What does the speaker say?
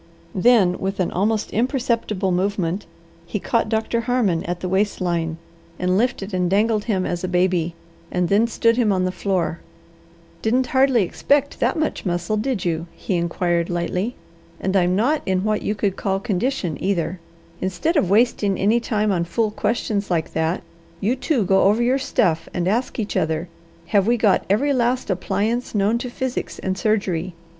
Then, with an almost imperceptible movement, he caught Doctor Harmon at the waist line, and lifted and dangled him as a baby, and then stood him on the floor. "Didn't hardly expect that much muscle, did you?" he inquired lightly. "And I'm not in what you could call condition, either. Instead of wasting any time on fool questions like that, you two go over your stuff and ask each other, have we got every last appliance known to physics and surgery?